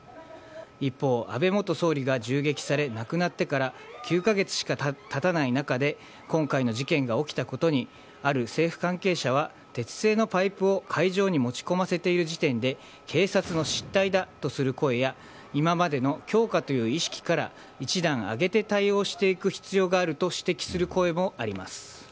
一方、安倍元総理が銃撃され亡くなってから９か月しか経たない中で今回の事件が起きたことにある政府関係者は鉄製のパイプを会場に持ち込ませてる時点で警察の失態だとする声や今までの強化という意識から一段上げて対応していく必要があると指摘する声もあります。